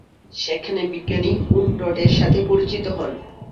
সেখানে বিজ্ঞানী ওনডট-এর সাথে পরিচিত হন।